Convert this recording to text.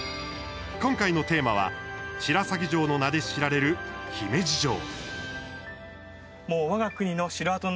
今回のテーマは白鷺城の名で知られる姫路城。